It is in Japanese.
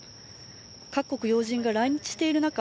各国要人が来日している中